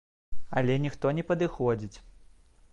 Але ніхто не падыходзіць.